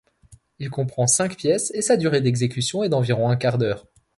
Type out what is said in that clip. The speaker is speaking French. Il comprend cinq pièces et sa durée d'exécution est d'environ un quart d'heure.